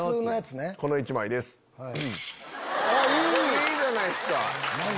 いいじゃないっすか。